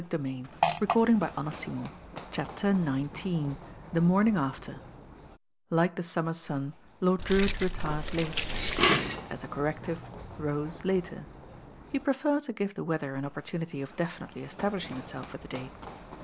iit iU id V id n > r, t 7 t CHAPTER XIX THE MORNING AFTER LIKE the summer sun, Lord Drcwitt retired late; but as a corrective rose later. He pre ferred to give the weather an opportunity of definitely establishing itself for the day.